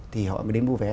thì họ mới đến mua vé